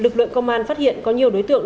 lực lượng công an phát hiện có nhiều đối tượng